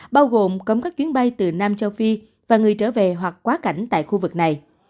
bao gồm cấm các chuyến bay từ nam châu phi và người trở về hoặc quá cảnh tại khu vực này